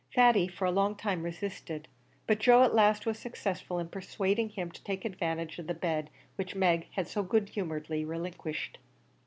Thady for a long time resisted, but Joe at last was successful in persuading him to take advantage of the bed which Meg had so good humouredly relinquished.